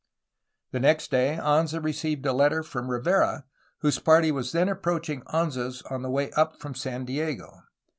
The next day Anza received a letter from Rivera, whose party was then approaching Anza^s on the way up from San Diego.